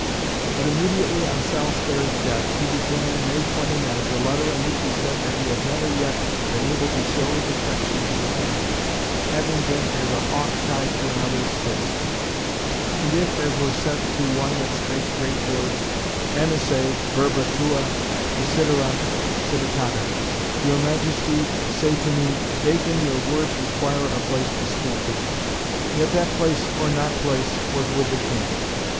But immediately on Salisbury's death he began, May 29th, a letter in which he said that he had never yet been able to show his affection to the King, "having been as a hawk tied to another's fist;" and if, "as was said to one that spake great words, Amice, verba tua desiderant civitatem, your Majesty say to me, Bacon, your words require a place to speak them," yet that "place or not place" was with the King.